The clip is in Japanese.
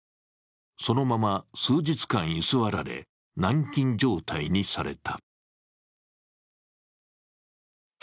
そのまま数日間居座られ、軟禁状態にされた。